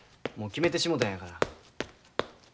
もう決めてしもたんやから。